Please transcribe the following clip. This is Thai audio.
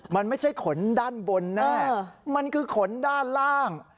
มันไม่ใช่ขนด้านบนแน่มันคือขนด้านล่าง